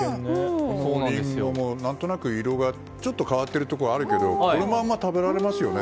リンゴも何となく色が変わっているところはあるけれどこのまま食べられますね。